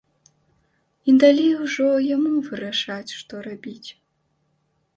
І далей ужо яму вырашаць, што рабіць.